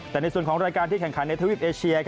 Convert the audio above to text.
แต่ในส่วนของรายการที่แข่งขันในทวีปเอเชีย